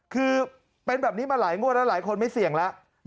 คือเป็นแบบนี้มาหลายงวดแล้วหลายคนไม่เสี่ยงแล้ว